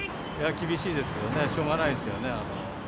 厳しいですけどね、しょうがないですよね。